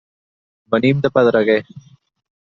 Venim de Pedreguer.